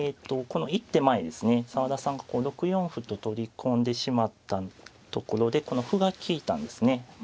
この一手前ですね澤田さんがこう６四歩と取り込んでしまったところでこの歩が利いたんですね。